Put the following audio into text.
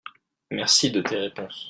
mersi de tes réponses.